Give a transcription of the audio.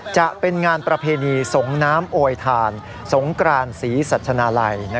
จะเป็นงานประเพณีสงน้ำโอยทานสงกรานศรีสัชนาลัย